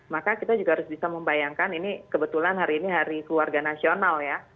maka kita juga harus bisa membayangkan ini kebetulan hari ini hari keluarga nasional ya